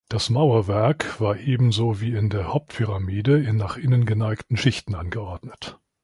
Das Mauerwerk war ebenso wie in der Hauptpyramide in nach innen geneigten Schichten angeordnet.